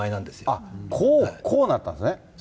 あっ、こう、こうなったんですね。